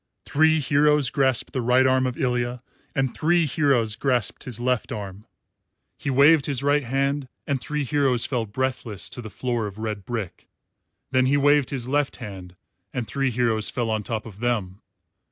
Three heroes grasped the right arm of Ilya and three heroes grasped his left arm. He waved his right hand and three heroes fell breathless to the floor of red brick; then he waved his left hand and three heroes fell on top of them.